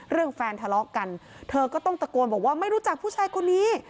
แฟนทะเลาะกันเธอก็ต้องตะโกนบอกว่าไม่รู้จักผู้ชายคนนี้